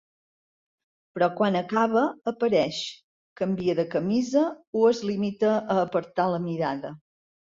Però quan acaba, apareix, canvia de camisa o es limita a apartar la mirada.